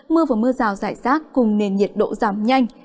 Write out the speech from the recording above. mưa và mưa rào rải rác cùng nền nhiệt độ giảm nhanh